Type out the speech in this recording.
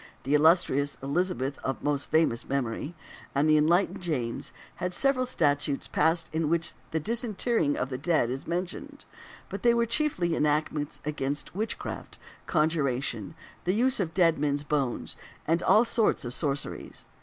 the illustrious Elizabeth of most famous memory, and the enlightened James, had several statutes passed in which the disinterring of the dead is mentioned, but they were chiefly enactments against witchcraft, conjuration, the use of dead men's bones, and all sorts of sorceries.